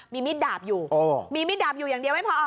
มีมีดดาบอยู่มีมีดดาบอยู่อย่างเดียวไม่พอ